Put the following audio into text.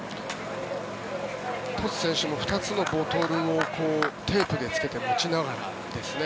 トス選手も２つのボトルをテープでつけて持ちながらですね。